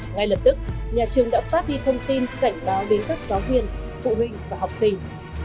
ngay lập tức nhà trường đã phát đi thông tin cảnh báo đến các giáo viên phụ huynh và học sinh